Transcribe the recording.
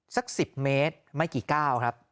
สัก๑๐เมตรไม่กี่ก้าวครับ